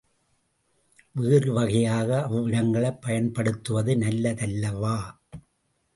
வேறு வகையாக அவ்விடங்களைப் பயன்படுத்துவது நல்லதல்லவா?